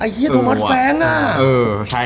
คุณทองเบรกนะ